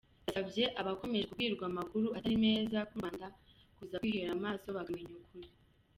Yasabye abakomeje kubwirwa amakuru atari meza ku Rwanda kuza kwihera amaso bakamenya ukuri.